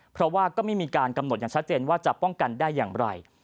เพราะว่าก็ไม่มีการกำหนดอย่างชัดเจนว่าจะป้องกันได้อย่างไร